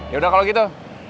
ya udah kalau gitu